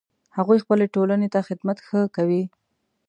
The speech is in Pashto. هغوی خپلې ټولنې ته ښه خدمت کوي